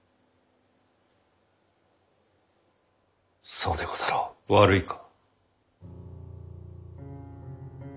そうでござろう？悪いか？